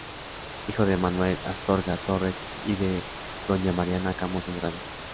Hijo de Manuel Astorga Torres y de doña Mariana Camus Andrade.